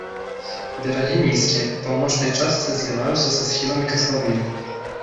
Берагі нізкія, у паўночнай частцы зліваюцца са схіламі катлавіны.